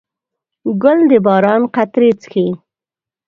ګل د باران قطرې څښي.